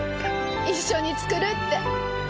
一緒に作るって。